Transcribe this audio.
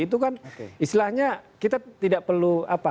itu kan istilahnya kita tidak perlu apa